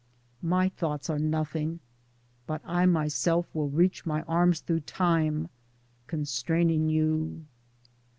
My thoughts are nothing, but I myself will reach my arms through time, constraining you.